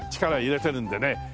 力を入れてるんでね。